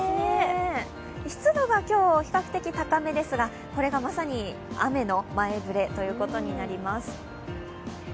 湿度が今日、比較的高めですがこれがまさに雨の前触れになります。